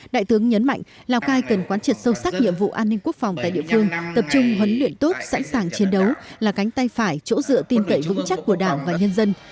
đại tướng nhấn mạnh lào cai cần quán triệt sâu sắc nhiệm vụ an ninh quốc phòng tại địa phương tập trung huấn luyện tốt sẵn sàng chiến đấu là cánh tay phải chỗ dựa tin cậy vững chắc của đảng và nhân dân